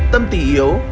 tâm tỷ yếu